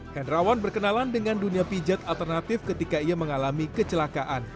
hendrawan berkenalan dengan dunia pijat alternatif ketika ia mengalami kecelakaan